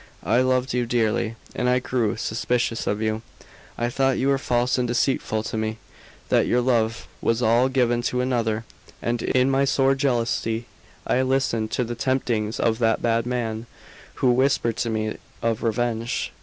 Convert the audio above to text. I loved you dearly, and I grew suspicious of you. I thought you were false and deceitful to me; that your love was all given to another; and in my sore jealousy, I listened to the temptings of that bad man, who whispered to me of revenge.